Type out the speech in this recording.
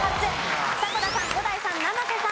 迫田さん伍代さん生瀬さん